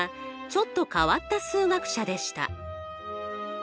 ちょっと変わった数学者でした。